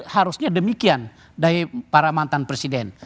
harusnya demikian dari para mantan presiden